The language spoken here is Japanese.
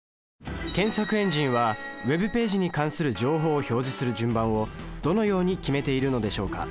検索エンジンはＷｅｂページに関する情報を表示する順番をどのように決めているのでしょうか？